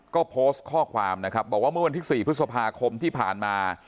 ก็โพสต์ข้อความนะครับบอกว่าเมื่อวันที่๔พฤษภาคมที่ผ่านมา